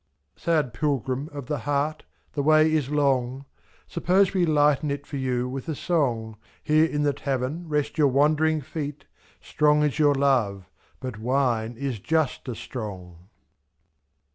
51 Sad pilgrim of the heart, the way is long ; Suppose we lighten it for you with a song, ^^. Here in the tavern rest your wandering feet. Strong is your love, but wine is just as strong!